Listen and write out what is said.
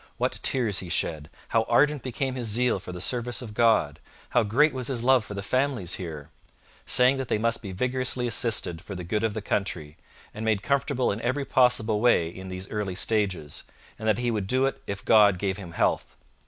What tears he shed! how ardent became his zeal for the service of God! how great was his love for the families here! saying that they must be vigorously assisted for the good of the Country, and made comfortable in every possible way in these early stages, and that he would do it if God gave him health.